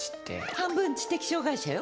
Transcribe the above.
半分、知的障がい者よ。